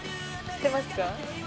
◆知ってますか？